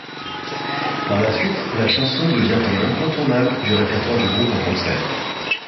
Par la suite, la chanson devient un incontournable du répertoire du groupe en concert.